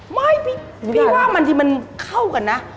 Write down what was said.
ไม่พี่ว่ามันมันเข้ากันนะ